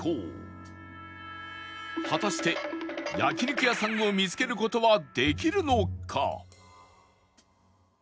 果たして焼肉屋さんを見つける事はできるのか？